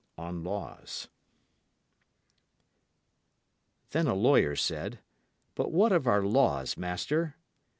Then a lawyer said, But what of our Laws, master?